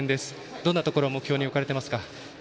どんなところを目標に置かれてますか？